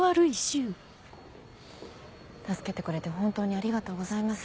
助けてくれて本当にありがとうございます。